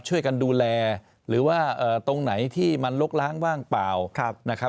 ช่วยกันดูแลหรือว่าตรงไหนที่มันลกล้างว่างเปล่านะครับ